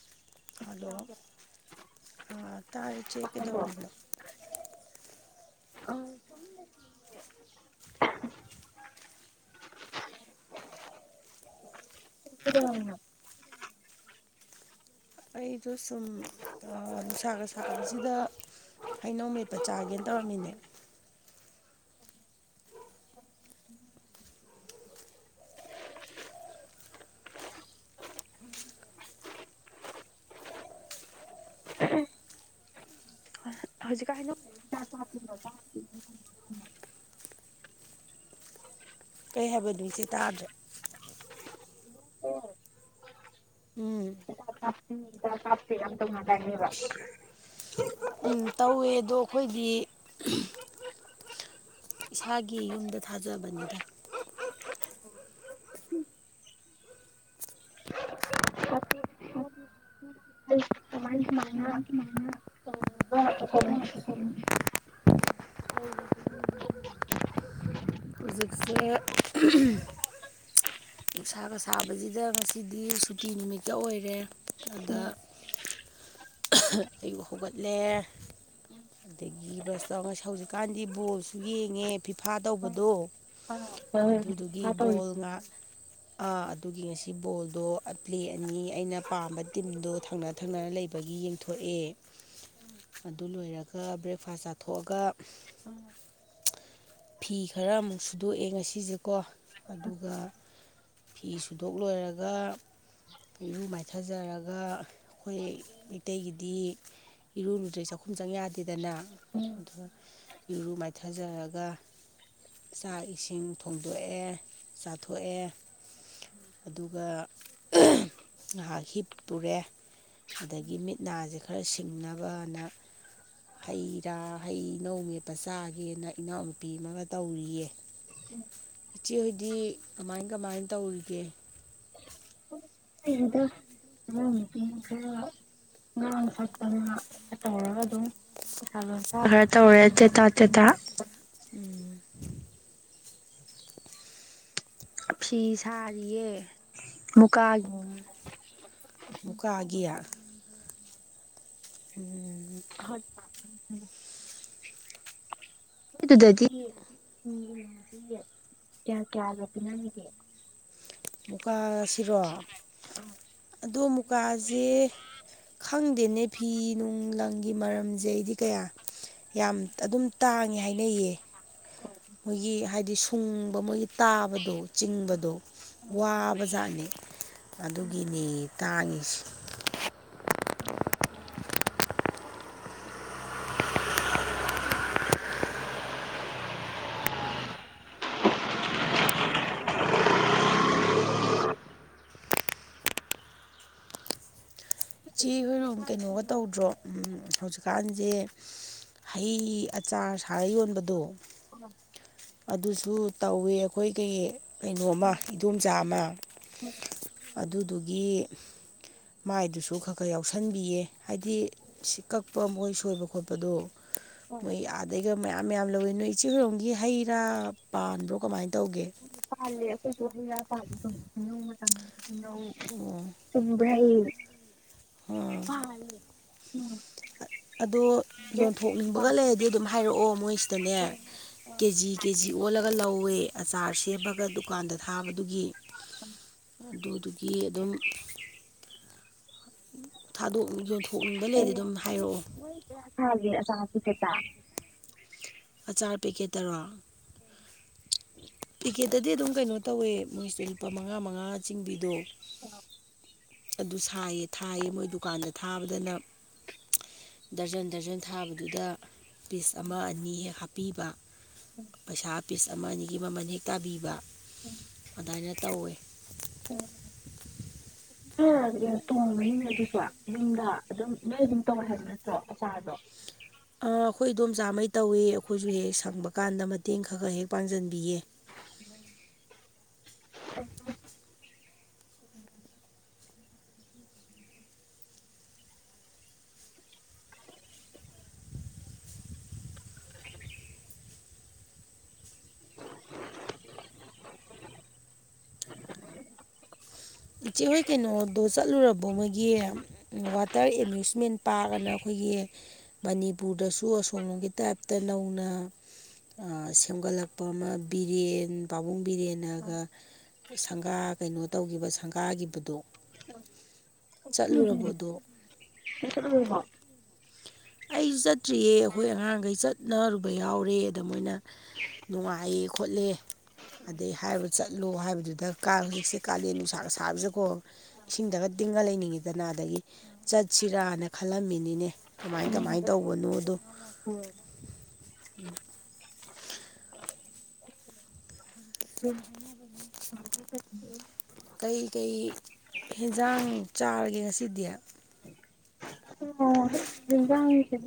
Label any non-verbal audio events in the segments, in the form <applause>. <unintelligible> hello ꯑ ꯇꯥꯔ ꯆ ꯀꯗꯧꯔꯃꯅꯣ ꯑꯣ <unintelligible> ꯀ ꯋꯥ ꯑꯩꯁꯨꯣ ꯁꯨꯝ ꯅꯨꯡꯁꯥꯒ ꯁꯥꯕꯁꯤꯗ ꯍꯩꯅꯧꯃꯤꯠꯄ ꯆꯥꯒꯦꯅ ꯇꯧꯔꯝꯃꯤꯅꯦ ꯍꯧꯖꯤꯛ ꯀꯥꯏꯅ ꯀꯩ ꯍꯥꯏꯕꯗꯨ ꯏꯆꯦ ꯇꯥꯗ꯭ꯔꯦ ꯎꯝ ꯇꯃ ꯅꯤꯕ ꯇꯧꯋꯦ ꯑꯗꯣ ꯑꯩꯈꯣꯏꯒꯤ ꯏꯁꯥꯒꯤ ꯌꯨꯝꯗ ꯊꯥꯖꯕꯅꯤꯗ ꯎꯝ ꯎꯝ ꯁ ꯁꯥꯕ ꯁꯥꯕꯁꯤꯗ ꯉꯁꯤꯗꯤ ꯁꯨꯇꯤ ꯅꯨꯃꯤꯠꯇ ꯑꯣꯏꯔꯦ ꯑꯗ ꯑꯩꯕꯨ ꯍꯧꯒꯠꯂꯦ ꯑꯗꯒꯤ ꯕꯁ ꯇꯧ ꯉꯁ ꯍꯧꯖꯤꯛꯀꯥꯟꯗꯤ ꯕꯣꯜꯁꯨ ꯌꯦꯡꯉꯦ ꯐꯤꯐꯥ ꯇꯧꯕꯗꯣ ꯑꯗꯨꯗꯨꯒꯤ ꯕꯣꯜ ꯉꯥ ꯑꯗꯨꯒꯤ ꯉꯁꯤ ꯕꯣꯜꯗꯣ ꯄ꯭ꯂꯦ ꯑꯅꯤ ꯑꯩꯅ ꯄꯥꯝꯕ ꯇꯤꯝꯗꯣ ꯊꯪꯅ ꯊꯪꯅꯅ ꯂꯩꯕꯒꯤ ꯌꯦꯡꯊꯣꯛꯑꯦ ꯑꯗꯨ ꯂꯣꯏꯔꯒ ꯕ꯭ꯔꯦꯛꯐꯥꯁ ꯆꯥꯊꯣꯛꯑꯒ ꯐꯤ ꯈꯔ ꯑꯃꯨꯛ ꯁꯨꯗꯣꯛꯑꯦ ꯉꯁꯤꯁꯦꯀꯣ ꯑꯗꯨꯒ ꯐꯤ ꯁꯨꯗꯣꯛ ꯂꯣꯏꯔꯒ ꯏꯔꯨ ꯃꯥꯏꯊꯖꯔꯒ ꯑꯩꯈꯣꯏ ꯃꯩꯇꯩꯒꯤꯗꯤ ꯏꯔꯨꯔꯨꯗ꯭ꯔꯦ ꯆꯥꯛꯈꯨꯝ ꯆꯪ ꯌꯥꯗꯦꯗꯅ ꯑꯗꯨꯒ ꯏꯔꯨ ꯃꯥꯏꯊꯖꯔꯒ ꯆꯥꯛ ꯏꯁꯤꯡ ꯊꯣꯡꯗꯣꯛꯑꯦ ꯆꯥꯊꯣꯛꯑꯦ ꯑꯗꯨꯒ ꯉꯥꯏꯍꯥꯛ ꯍꯤꯞꯇꯨꯔꯦ ꯑꯗꯒꯤ ꯃꯤꯠ ꯅꯥꯁꯦ ꯈꯔ ꯁꯤꯡꯅꯕꯅ ꯍꯩꯔꯥ ꯍꯩꯅꯧ ꯃꯦꯠꯄ ꯆꯥꯒꯦꯅ ꯏꯅꯥꯎꯅꯨꯄꯤ ꯑꯃꯒ ꯇꯧꯔꯤꯌꯦ ꯏꯆꯦꯍꯣꯏꯗꯤ ꯀꯃꯥꯏ ꯀꯃꯥꯏꯅ ꯇꯧꯔꯤꯒꯦ ꯑꯗꯨꯗꯀ ꯉꯔꯥꯡ ꯁꯛꯄꯅ ꯇꯧꯔꯒ ꯑꯗꯨꯝ ꯂ ꯈ ꯇ ꯑꯣꯔꯦ ꯆꯦ ꯇ ꯆꯦ ꯇ ꯐꯤ ꯁꯥꯔꯤꯌꯦ ꯃꯨꯀꯥꯒꯤ ꯃꯨꯀꯥꯒꯤ <unintelligible> ꯎꯝ ꯍ <unintelligible> ꯍ ꯑꯗꯨ ꯀ ꯀꯌꯥ ꯄꯅꯥ ꯃꯨꯀꯥꯁꯤꯔꯣ ꯑꯗꯣ ꯃꯨꯀꯥꯁꯦ ꯈꯪꯗꯦꯅꯦ ꯐꯤ ꯅꯨꯡ ꯂꯪꯒꯤ ꯃꯔꯝꯁꯦ ꯑꯩꯗꯤ ꯀꯌꯥ ꯌꯥꯝ ꯑꯗꯨꯝ ꯇꯥꯡꯉꯦ ꯍꯥꯏꯅꯩꯌꯦ ꯃꯣꯏꯒꯤ ꯍꯥꯏꯗꯤ ꯁꯨꯡꯕ ꯃꯣꯏꯒꯤ ꯇꯥꯕꯗꯣ ꯆꯤꯡꯕꯗꯣ ꯋꯥꯕꯖꯥꯛꯠꯅꯤ ꯑꯗꯨꯒꯤꯅꯤ ꯇꯥꯡꯉꯤꯁꯤ ꯎꯝ ꯌꯥ <unintelligible> ꯏꯆꯦ ꯍꯣꯏꯔꯣꯝ ꯀꯩꯅꯣꯒ ꯇꯧꯗ꯭ꯔꯣ ꯍꯧꯖꯤꯛꯀꯥꯟꯁꯦ ꯍꯩ ꯑꯆꯥꯔ ꯁꯥꯔ ꯌꯣꯟꯕꯗꯣ ꯎ ꯑꯗꯨꯁꯨ ꯇꯧꯏꯤ ꯑꯩꯈꯣꯏ ꯀꯩ ꯀꯩꯅꯣꯝꯃ ꯏꯗꯣꯝꯆꯥ ꯑꯃ ꯑꯗꯨꯗꯨꯒꯤ ꯃꯥꯏꯗꯨꯁꯨ ꯈꯔ ꯈꯔ ꯌꯥꯎꯁꯟꯕꯤꯌꯦ ꯍꯥꯏꯗꯤ ꯁꯤ ꯀꯛꯄ ꯃꯈꯣꯏ ꯁꯣꯏꯕ ꯈꯣꯠꯄꯗꯣ ꯃꯣꯏ ꯑꯥꯗꯩꯒ ꯃꯌꯥꯝ ꯃꯌꯥꯝ ꯂꯧꯋꯤ ꯅꯣꯏ ꯏꯆꯦ ꯍꯔꯣꯝꯒꯤ ꯍꯩ ꯔꯥ ꯄꯥꯟꯕ꯭ꯔꯣ ꯀꯃꯥꯏꯅ ꯇꯧ ꯄꯂꯦ ꯐꯁꯨ ꯌꯥ ꯄꯪ ꯑꯣ ꯆꯨꯝꯕ꯭ꯔ ꯑꯥ ꯍ ꯎꯝ ꯑꯗꯣ ꯌꯣꯟꯊꯣꯛꯅꯤꯡꯕꯒ ꯂꯩꯔꯗꯤ ꯑꯗꯨꯝ ꯍꯥꯏꯔꯛꯑꯣ ꯃꯣꯏꯁꯤꯗꯅꯦ ꯀꯦ ꯖꯤ ꯀꯦ ꯖꯤ ꯑꯣꯜꯂꯒ ꯂꯧꯋꯦ ꯑꯆꯥꯔ ꯁꯦꯝꯃꯒ ꯗꯨꯀꯥꯟꯗ ꯊꯥꯕꯗꯨꯒꯤ ꯎꯝ ꯑꯗꯨꯗꯨꯒꯤ ꯑꯗꯨꯝ ꯊꯥꯗꯣꯛ ꯌꯣꯟꯊꯣꯛꯅꯤꯡꯕ ꯂꯩꯔꯗꯤ ꯑꯗꯨꯝ ꯍꯥꯏꯔꯛꯑꯣ ꯑꯣ ꯍꯥ ꯀ ꯇ ꯑꯆꯥꯔ ꯄꯦꯛꯀꯦꯠꯇꯔꯣ ꯄꯦꯛꯀꯦꯠꯇꯗꯤ ꯑꯗꯨꯝ ꯀꯩꯅꯣ ꯇꯧꯋꯦ ꯃꯣꯏꯁꯤꯗ ꯂꯨꯄꯥ ꯃꯉꯥ ꯃꯉꯥ ꯆꯤꯡꯕꯤꯗꯣ ꯑ ꯑꯗꯨ ꯁꯥꯏꯌꯦ ꯊꯥꯏꯌꯦ ꯃꯣꯏ ꯗꯨꯀꯥꯟꯗ ꯊꯥꯕꯗꯅ ꯗꯔꯖꯟ ꯗꯔꯖꯟ ꯊꯥꯕꯗꯨꯗ ꯄꯤꯁ ꯑꯃ ꯑꯅꯤ ꯍꯦꯛ ꯍꯥꯞꯄꯤꯕ ꯄꯩꯁꯥ ꯄꯤꯁ ꯑꯃ ꯑꯅꯤꯒꯤ ꯃꯃꯜ ꯍꯦꯛ ꯇꯥꯕꯤꯕ ꯎꯝ ꯑꯗꯨꯃꯥꯏꯅ ꯇꯧꯋꯦ ꯇꯣꯡꯕꯅꯤꯅꯦ ꯑꯗꯨꯁꯨ ꯅꯨꯡꯗ ꯑꯗꯨꯝ ꯅꯣꯏ ꯑꯗꯨꯝ ꯇꯧꯋꯦ ꯍꯥꯏꯕ ꯅꯠꯇ꯭ꯔꯣ ꯑꯆꯥꯔꯗꯣ ꯑꯥ ꯑꯩꯈꯣꯏ ꯑ ꯑꯗꯨꯣꯝ ꯆꯥꯝꯃꯩ ꯇꯧꯏ ꯑꯩꯈꯣꯏꯁꯨ ꯍꯦꯛ ꯍꯦꯛ ꯁꯪꯕ ꯀꯥꯟꯗ ꯃꯇꯦꯡ ꯈꯔ ꯈꯔ ꯍꯦꯛ ꯄꯥꯡꯁꯤꯟꯕꯤꯌꯦ ꯍ ꯎ ꯏꯆꯦꯍꯣꯏ ꯀꯩꯅꯣꯗꯣ ꯆꯠꯂꯨꯔꯕꯣ ꯃꯣꯏꯒꯤ ꯋꯥꯇꯔ ꯑꯦꯃ꯭ꯌꯨꯁꯃꯦꯟ ꯄꯥꯔꯛꯑꯅ ꯑꯩꯈꯣꯏꯒꯤ ꯑꯩꯈꯣꯏꯒꯤ ꯃꯅꯤꯄꯨꯔꯗꯁꯨ ꯑꯁꯣꯝꯂꯣꯝꯒꯤ ꯇꯥꯏꯞꯇ ꯅꯧꯅ ꯁꯦꯝꯒꯠꯂꯛꯄ ꯑꯃ ꯕꯤꯔꯦꯟ ꯄꯥꯕꯨꯡ ꯕꯤꯔꯦꯟ ꯍꯥꯏꯒ ꯁꯪꯒꯥ ꯀꯩꯅꯣ ꯇꯧꯈꯤꯕ ꯁꯪꯒꯥꯒꯤꯈꯤꯕꯗꯣ ꯎꯝꯃꯣ ꯑꯩꯁꯨ ꯆꯠꯇ꯭ꯔꯤꯌꯦ ꯑꯩꯈꯣꯏ ꯑꯉꯥꯡꯈꯩ ꯆꯠꯅꯔꯨꯕ ꯌꯥꯎꯔꯦꯗ ꯃꯣꯏꯅ ꯅꯨꯡꯉꯥꯏꯌꯦ ꯈꯣꯠꯂꯦ ꯑꯗꯩ ꯍꯥꯏꯔ ꯆꯠꯂꯣ ꯍꯥꯏꯕꯗꯨꯗ ꯀ ꯍꯧꯖꯤꯛꯁꯦ ꯀꯥꯂꯦꯟ ꯅꯨꯡꯁꯥꯛ ꯁꯥꯕꯁꯦꯀꯣ ꯏꯁꯤꯡꯗꯒ ꯇꯤꯡꯉ ꯂꯩꯅꯤꯡꯉꯤꯗꯅ ꯑꯗꯒꯤ ꯆꯠꯁꯤꯔꯥꯅ ꯈꯜꯂꯝꯃꯤꯅꯤꯅꯦ ꯀꯃꯥꯏ ꯀꯃꯥꯏꯅ ꯇꯧꯕꯅꯣꯗꯣ ꯑ ꯍ ꯎꯝ ꯀꯩꯀꯩ ꯍꯟꯖꯥꯡ ꯆꯥꯔꯒꯦ ꯉꯁꯤꯗꯤ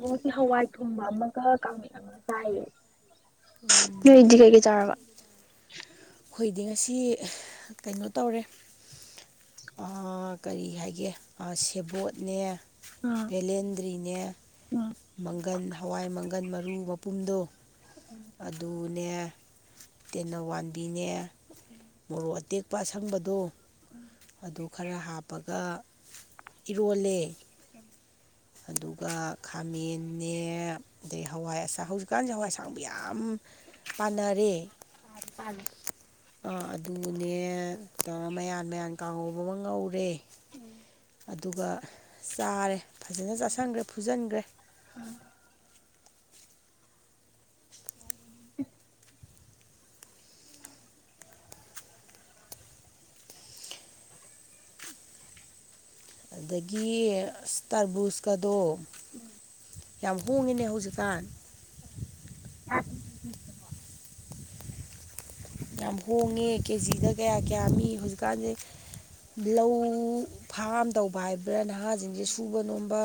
ꯕꯣꯁ ꯍꯋꯥꯏ ꯊꯣꯡꯕ ꯑꯃꯒ ꯀꯃꯤꯠ ꯑꯃꯒ ꯆꯥꯏꯌꯦ ꯅꯣꯏꯗꯤ ꯀꯩꯀꯩ ꯆꯥꯔꯕ ꯔꯤꯗꯤꯡ ꯑꯁꯤ ꯀꯩꯅꯣ ꯇꯧꯔꯦ ꯀꯔꯤ ꯍꯥꯏꯒꯦ ꯁꯦꯕꯣꯠꯅꯦ ꯚꯦꯂꯦꯟꯗ꯭ꯔꯤꯅꯦ ꯃꯪꯒꯟ ꯍꯋꯥꯏ ꯃꯪꯒꯜ ꯃꯪꯒꯟ ꯃꯔꯨ ꯃꯄꯨꯝꯗꯣ ꯑꯗꯨꯅꯦ ꯇꯦꯟꯅꯋꯥꯟ ꯑ <unintelligible> ꯃꯣꯔꯣꯛ ꯑꯇꯦꯛꯄ ꯑꯁꯪꯕꯗꯣ ꯎꯝ ꯑꯗꯨ ꯈꯔ ꯍꯥꯞꯄꯒ ꯏꯔꯣꯜꯂꯦ ꯑꯗꯨꯒ ꯈꯥꯃꯦꯛ ꯑꯗꯩ ꯍꯋꯥꯏ ꯑꯁ ꯍꯧꯖꯤꯛꯀꯥꯟꯁꯦ ꯍꯋꯥꯏ ꯑꯁꯥꯡꯕ ꯌꯥꯝ ꯎ ꯐ ꯐꯅꯤ <unintelligible> ꯑꯥ ꯑꯗꯨꯅꯦ ꯃꯌꯥꯟ ꯃꯌꯥꯟ ꯀꯥꯡꯥꯍꯧꯕ ꯑꯃ ꯉꯧꯔꯦ ꯎꯝ ꯑꯗꯨꯒ ꯆꯥꯔꯦ ꯐꯖꯅ ꯆꯥꯁꯟꯈ꯭ꯔꯦ ꯐꯨꯖꯟꯈ꯭ꯔꯦ ꯍꯅꯤ ꯑꯗꯒꯤ ꯇꯔꯕꯨꯁꯀꯗꯣ ꯌꯥꯝ ꯍꯣꯡꯉꯤꯅꯦ ꯎꯖꯤꯀꯥꯟ <unintelligible> ꯌꯥꯝ ꯍꯣꯡꯉꯦ ꯀꯦꯖꯤꯗ ꯀꯌꯥ ꯀꯌꯥ ꯃꯤ ꯍꯧꯖꯤꯛꯀꯥꯟꯁꯦ ꯂꯧ ꯐꯥꯝ ꯇꯧꯕ ꯍꯥꯏꯕ꯭ꯔꯥ ꯅꯍꯥꯁꯤꯡꯁꯦ ꯁꯨꯕ ꯅꯣꯝꯕ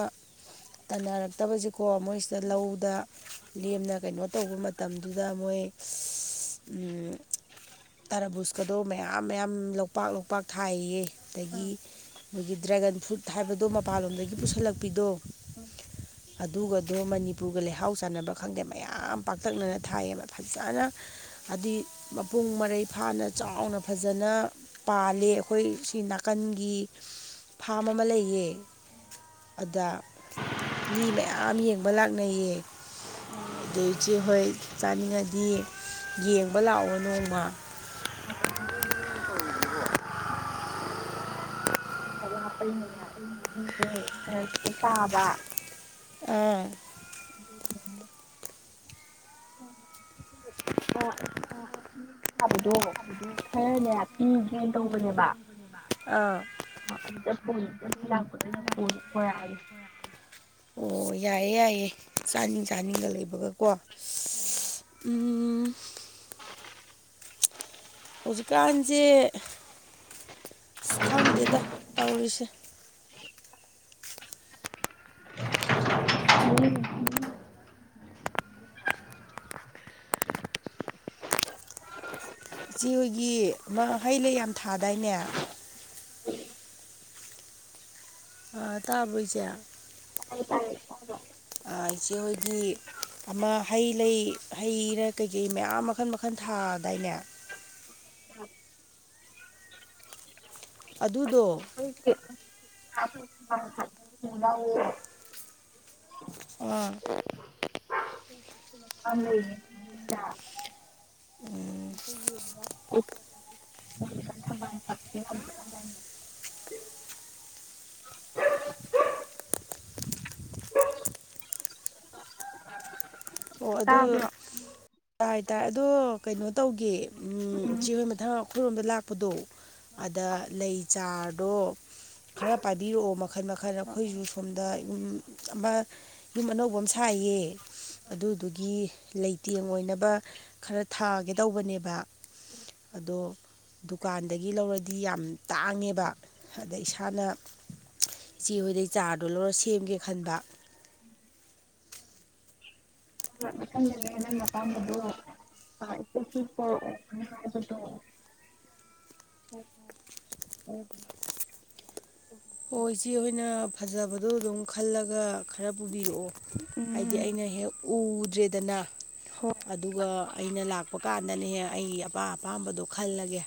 ꯇꯥꯟꯅꯔꯛꯇꯕꯁꯤꯀꯣ ꯃꯣꯏꯁꯤꯗ ꯂꯧꯗ ꯂꯦꯝꯅ ꯀꯩꯅꯣ ꯇꯧꯕ ꯃꯇꯝꯗꯨꯗ ꯃꯣꯏ ꯎꯝ ꯇꯔꯥꯕꯨꯁꯀꯗꯣ ꯃꯌꯥꯝ ꯃꯌꯥꯝ ꯂꯧꯄꯥꯛ ꯂꯧꯄꯥꯛ ꯊꯥꯏꯌꯦ ꯑꯗꯒꯤ ꯃꯣꯏꯒꯤ ꯗ꯭ꯔꯦꯒꯟ ꯐ꯭ꯔꯨꯠ ꯍꯥꯏꯕꯗꯣ ꯃꯄꯥꯟꯂꯣꯝꯗꯒꯤ ꯄꯨꯁꯜꯂꯛꯄꯤꯗꯣ ꯑꯗꯨꯒꯗꯣ ꯃꯅꯤꯄꯨꯔꯒ ꯂꯩꯍꯥꯎ ꯆꯥꯟꯅꯕ ꯈꯪꯗꯦ ꯃꯌꯥꯝ ꯄꯥꯛꯇꯛꯅꯅ ꯊꯥꯏꯌꯦꯕ ꯐꯖꯅ ꯍꯥꯏꯗꯤ ꯃꯄꯨꯡ ꯃꯔꯩ ꯐꯥꯅ ꯆꯥꯎꯅ ꯐꯖꯅ ꯄꯥꯜꯂꯦ ꯑꯩꯈꯣꯏ ꯁꯤ ꯅꯥꯀꯟꯒꯤ ꯐꯥꯝ ꯑꯃ ꯂꯩꯌꯦ ꯑꯗ ꯃꯤ ꯃꯌꯥꯝ ꯌꯦꯡꯕ ꯂꯥꯛꯅꯩꯌꯦ ꯑꯗꯨꯩꯆꯦ ꯍꯣꯏ ꯆꯥꯅꯤꯡꯉꯗꯤ ꯌꯦꯡꯕ ꯂꯥꯛꯑꯣ ꯅꯣꯡꯃ <unintelligible> ꯂꯄ ꯆꯥꯕ <unintelligible> ꯊꯦꯡ <unintelligible> ꯎꯝ <inaudible> <unintelligible> ꯑ ꯑꯩꯁꯨꯅ ꯐꯅꯦꯛ ꯁꯥꯕꯗꯣ ꯈꯔꯅꯦ ꯄꯤꯒꯦꯅ ꯇꯧꯕꯅꯦꯕ ꯑꯥ ꯑꯗꯨꯗ ꯄꯨꯅꯤ ꯑꯗꯨ ꯂꯥꯛꯄꯗ ꯌꯥꯝ ꯄꯨ ꯈꯣꯏꯔꯛꯑꯅꯤ ꯑꯣ ꯌꯥꯏꯌꯦ ꯌꯥꯏꯌꯦ ꯆꯥꯅꯤꯡ ꯆꯥꯅꯤꯡꯒ ꯂꯩꯕꯒꯀꯣ ꯎ ꯍꯧꯖꯤꯛꯀꯥꯟꯁꯦ ꯑꯁ ꯈꯪꯗꯦꯗ ꯇꯧꯔꯤꯁꯦ <unintelligible> <unintelligible> ꯏꯆꯦ ꯍꯣꯏꯒꯤ ꯍꯩ ꯂꯩ ꯌꯥꯝ ꯊꯥꯗꯥꯏꯅꯦ ꯑ ꯇꯥꯕꯣꯏꯁꯦ ꯇꯥꯌꯦ ꯇꯥꯏꯌꯦ ꯏꯆꯦ ꯑꯩꯈꯣꯏꯒꯤ ꯑꯃ ꯍꯩ ꯂꯩ ꯍꯩꯔ ꯀꯩꯀꯩ ꯃꯌꯥꯝ ꯃꯈꯜ ꯃꯈꯜ ꯊꯥꯗꯥꯏꯅꯦ ꯑꯗꯨꯗꯣ <unintelligible> ꯑꯣ ꯂꯩ ꯑ ꯌꯦ <unintelligible> ꯊꯥꯛ <unintelligible> ꯑꯣ ꯑꯗꯨ ꯇꯕꯣ ꯇꯥꯏ ꯇꯥꯏ ꯑꯗꯣ ꯀꯩꯅꯣ ꯇꯧꯒꯦ ꯏ ꯎꯆꯦꯍꯣꯏ ꯃꯊꯪ ꯑꯩꯈꯣꯏꯔꯣꯝꯗ ꯂꯥꯛꯄꯗꯣ ꯑꯗ ꯂꯩ ꯆꯥꯔꯗꯣ ꯈꯔ ꯄꯥꯏꯕꯤꯔꯛꯑꯣ ꯃꯈꯜ ꯃꯈꯜ ꯑꯩꯈꯣꯏꯁꯨ ꯁꯣꯝꯗ ꯑꯃ ꯌꯨꯝ ꯑꯅꯧꯕ ꯑꯃ ꯁꯥꯏꯌꯦ ꯑꯗꯨꯗꯨꯒꯤ ꯂꯩꯇꯦꯡ ꯑꯣꯏꯅ ꯈꯔ ꯊꯥꯒꯦ ꯇꯧꯕꯅꯦꯕ ꯑꯗꯣ ꯗꯨꯀꯥꯟꯗꯒꯤ ꯂꯧꯔꯗꯤ ꯌꯥꯝ ꯇꯥꯡꯉꯦꯕ ꯑꯗ ꯏꯁꯥꯅ ꯏꯆꯦꯍꯣꯏꯗꯩ ꯆꯥꯔꯗꯣ ꯂꯧꯔ ꯁꯦꯝꯒꯦ ꯈꯟꯕ ꯃ ꯂꯩꯦ ꯅꯃ ꯇꯝꯕꯣ ꯑ ꯏꯁꯨ ꯝ ꯎ ꯎꯝꯝ ꯑꯣ ꯏꯆꯦ ꯑꯩꯈꯣꯏꯅ ꯐꯖꯕꯗꯣ ꯑꯗꯨꯝ ꯈꯜꯂꯒ ꯈꯔ ꯄꯨꯕꯤꯔꯛꯑꯣ ꯍꯥꯏꯗꯤ ꯎꯝ ꯑꯩꯅ ꯍꯦꯛ ꯎꯗ꯭ꯔꯦꯗꯅ ꯍꯣꯏ ꯑꯗꯨꯒ ꯑꯩꯅ ꯂꯥꯛꯄ ꯀꯥꯟꯗꯅꯦꯍꯦꯛ ꯑꯩ ꯑꯄꯥ ꯑꯄꯥꯝꯕꯗꯣ ꯈꯜꯂꯒꯦ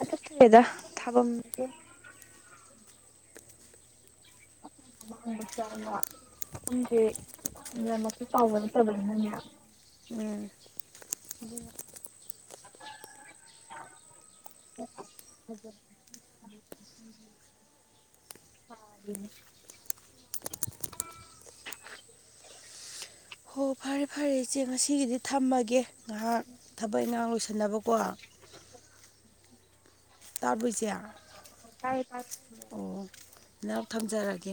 ꯑ ꯆꯗ ꯊꯥꯕꯝ <unintelligible> ꯃꯥꯡꯕꯁꯨ ꯌꯥꯝꯅ ꯈꯪꯁꯦꯃꯁꯨ ꯆꯥꯎꯕ ꯅꯠꯇꯕꯅꯤꯅꯅꯦ ꯎꯝ ꯎ <unintelligible> ꯑꯅꯤ ꯍꯣ ꯐꯔꯦ ꯐꯔꯦ ꯏꯆꯦ ꯉꯁꯤꯒꯤꯗꯤ ꯊꯝꯃꯒꯦ ꯉꯥꯏꯍꯥꯛ ꯊꯕꯛ ꯏꯪꯈꯥꯡ ꯂꯣꯏꯁꯟꯅꯕꯀꯣ <unintelligible> ꯇꯥꯔꯣꯏꯁꯦ ꯑꯣ ꯅꯔ ꯊꯝꯖꯔꯒꯦ